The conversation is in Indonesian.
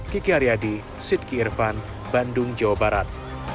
kiki aryadi sidki irfan bandung jawa barat